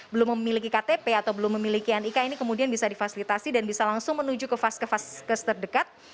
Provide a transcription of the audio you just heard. belum memiliki ktp atau belum memiliki nik ini kemudian bisa difasilitasi dan bisa langsung menuju ke vaskes vaskes terdekat